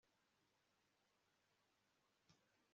polisi ishinzwe kukwitaho